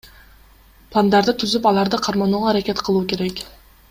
Пландарды түзүп, аларды карманууга аракет кылуу керек.